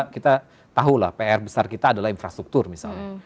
kita tahulah per besar kita adalah infrastruktur misalnya